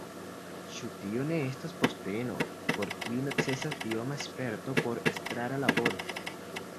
Ĉu tio ne estas posteno, por kiu necesas ioma sperto pri estrara laboro?